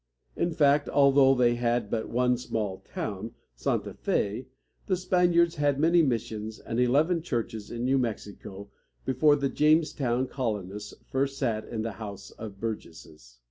In fact, although they had but one small town, Santa Fé, the Spaniards had many missions and eleven churches in New Mexico before the Jamestown colonists first sat in the House of Burgesses.